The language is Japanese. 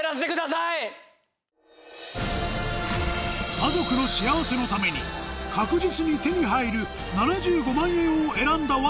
家族の幸せのために確実に手に入る７５万円を選んだ亘